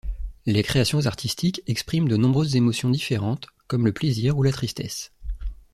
Les créations artistiques expriment de nombreuses émotions différentes, comme le plaisir ou la tristesse.